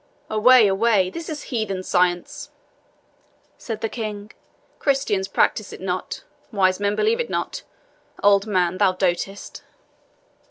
"Away, away this is heathen science," said the King. "Christians practise it not wise men believe it not. Old man, thou dotest."